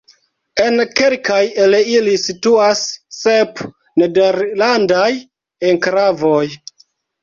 En kelkaj el ili situas sep nederlandaj enklavoj.